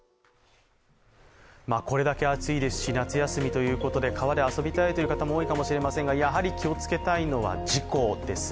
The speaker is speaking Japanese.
これだけ暑いですし、夏休みということで川で遊びたいという方も多いかもしれませんがやはり気をつけたいのは事故です。